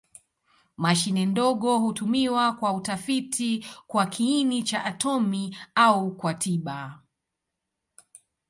Mashine ndogo hutumiwa kwa utafiti kwa kiini cha atomi au kwa tiba.